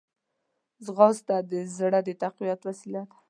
ځغاسته د زړه د تقویت وسیله ده